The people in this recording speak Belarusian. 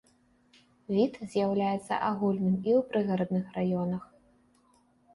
Від з'яўляецца агульным і ў прыгарадных раёнах.